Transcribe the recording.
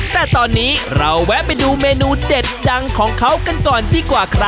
แต่ตอนนี้เราแวะไปดูเมนูเด็ดดังของเขากันก่อนดีกว่าครับ